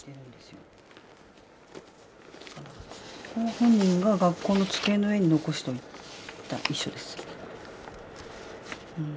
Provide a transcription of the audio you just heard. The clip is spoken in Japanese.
本人が学校の机の上に残しといた遺書です。